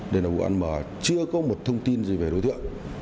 đây là vụ án mà chưa có một thông tin gì về đối tượng